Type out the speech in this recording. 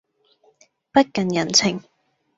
不近人情